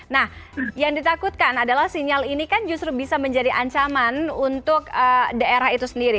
nah yang ditakutkan adalah sinyal ini kan justru bisa menjadi ancaman untuk daerah itu sendiri